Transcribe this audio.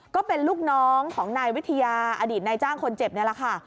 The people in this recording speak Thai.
ก็เป็นลูกน้องของนายวิทยาอดีตนายจ้างคนเจ็บนี่แหละค่ะ